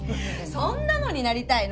そんなのになりたいの？